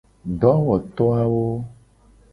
Dowoto awo.